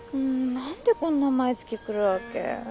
何でこんな毎月来るわけ？